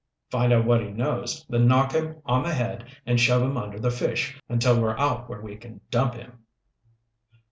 "Find out what he knows, then knock him on the head and shove him under the fish until we're out where we can dump him."